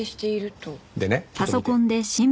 でねちょっと見て。